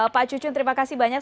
pak cucun terima kasih banyak